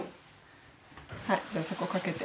はいじゃあそこかけて。